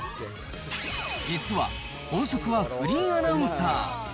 実は本職はフリーアナウンサー。